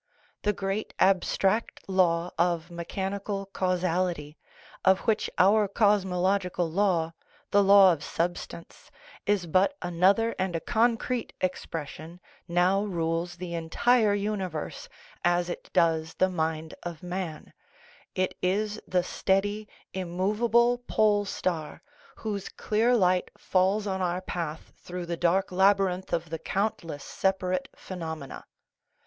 The great abstract law of me chanical causality, of which our cosmological law the law of substance is but another and a concrete expression, now rules the entire universe, as it does the mind of man; it is the steady, immovable pole star, whose clear light falls on our path through the dark labyrinth of the countless separate phenomena.